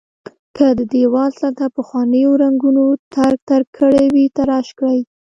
که د دېوال سطحه پخوانیو رنګونو ترک ترک کړې وي تراش کړئ.